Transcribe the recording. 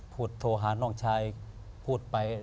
โทรหาน้องชายพูดไป